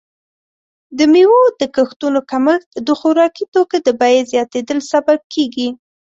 د میوو د کښتونو کمښت د خوراکي توکو د بیې زیاتیدل سبب کیږي.